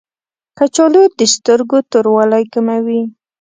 کچالو د سترګو توروالی کموي